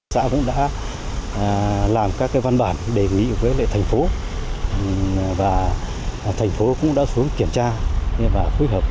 xã cũng đã làm các văn bản đề nghị thành phố và thành phố cũng đã xuống kiểm tra và phối hợp